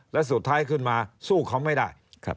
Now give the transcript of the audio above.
และสุดท้ายขึ้นมาสู้เขาไม่ได้ครับ